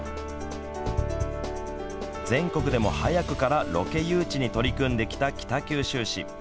全国でも早くからロケ誘致に取り組んできた北九州市。